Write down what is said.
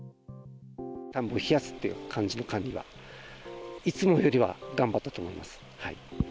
田んぼを冷やすという感じの管理は、いつもよりは頑張ったと思います。